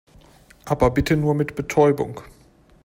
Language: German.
Aber bitte nur mit Betäubung.